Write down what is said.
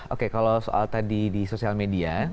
oke kalau soal tadi di sosial media